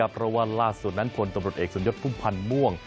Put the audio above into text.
เพราะว่าล่าสุดนั้นคนตำรดเอกส่วนยดภูมิพันธ์ม่วง